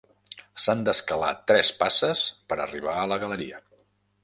S'han d'escalar tres passes per arribar a la galeria.